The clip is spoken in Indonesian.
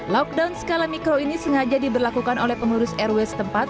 lockdown skala mikro ini sengaja diberlakukan oleh pengurus rw setempat